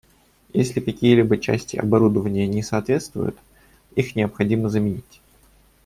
Если какие-либо части оборудования не соответствуют, их необходимо заменить